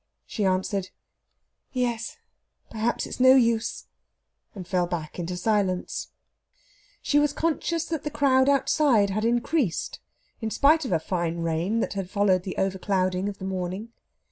She answered, "Yes, perhaps it's no use," and fell back into silence. She was conscious that the crowd outside had increased, in spite of a fine rain that had followed the overclouding of the morning.